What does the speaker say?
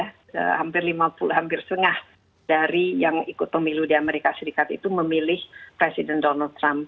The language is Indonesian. hampir lima puluh hampir setengah dari yang ikut pemilu di amerika serikat itu memilih presiden donald trump